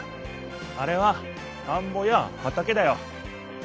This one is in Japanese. あれは田んぼや畑だよ。